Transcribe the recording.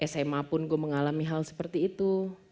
sma pun gue mengalami hal seperti itu